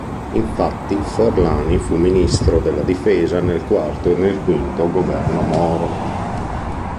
Infatti Forlani fu ministro della Difesa nel quarto e nel quinto Governo Moro.